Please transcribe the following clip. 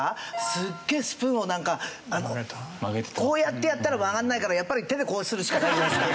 すっげえスプーンをなんかこうやってやったら曲がんないからやっぱり手でこうするしかないじゃないですか。